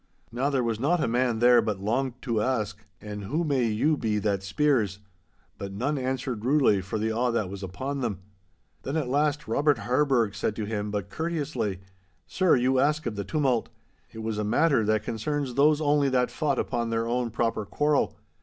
Now there was not a man there but longed to ask, 'And who may you be that speers?' But none answered rudely, for the awe that was upon them. Then at last Robert Harburgh said to him, but courteously, 'Sir, you ask of the tumult. It was a matter that concerns those only that fought upon their own proper quarrel.